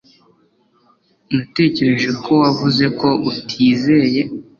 Natekereje ko wavuze ko utizeye